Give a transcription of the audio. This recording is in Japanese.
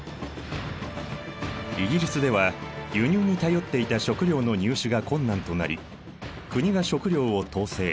イギリスでは輸入に頼っていた食料の入手が困難となり国が食料を統制